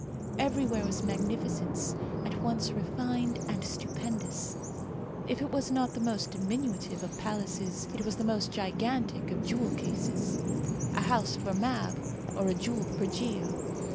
Everywhere was magnificence, at once refined and stupendous; if it was not the most diminutive of palaces, it was the most gigantic of jewel cases. A house for Mab or a jewel for Geo.